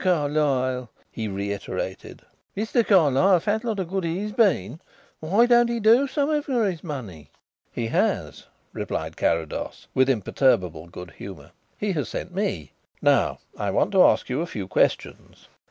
Carlyle!" he reiterated; "Mr. Carlyle! Fat lot of good he's been. Why don't he do something for his money?" "He has," replied Carrados, with imperturbable good humour; "he has sent me. Now, I want to ask you a few questions."